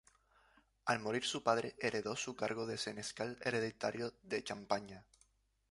Al morir su padre heredó su cargo de Senescal Hereditario de Champaña.